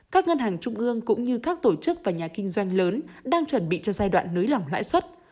các ngân hàng trung ương cũng như các tổ chức và nhà kinh doanh lớn đang chuẩn bị cho giai đoạn nới lỏng lãi suất